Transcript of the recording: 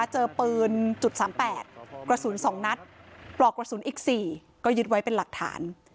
เจอปืนจุดสามแปดกระสุนสองนัดปลอกกระสุนอีกสี่ก็ยึดไว้เป็นหลักฐาน